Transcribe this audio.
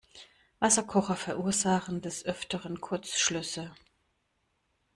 Wasserkocher verursachen des Öfteren Kurzschlüsse.